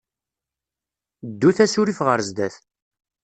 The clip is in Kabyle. Ddut asurif ɣer sdat.